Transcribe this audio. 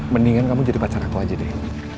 mendingan kamu jadi pacar aku aja deh